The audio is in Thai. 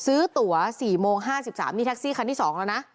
ซื้อตั๋วสี่โมงห้าสิบสามมีแท็กซี่คันที่สองแล้วนะ